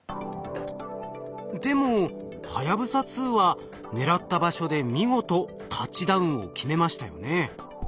でもはやぶさ２は狙った場所で見事タッチダウンを決めましたよね。